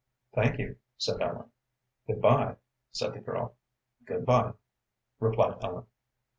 "Thank you," said Ellen. "Good bye," said the girl. "Good bye," replied Ellen.